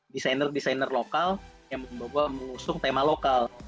desainer desainer lokal yang mengusung tema lokal